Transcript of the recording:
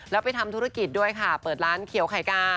แล้วไปทำธุรกิจด้วยค่ะเปิดร้านเขียวไข่กา